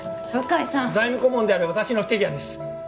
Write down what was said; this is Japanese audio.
鵜飼さん財務顧問である私の不手際です